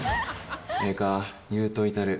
ええか、言うといたる。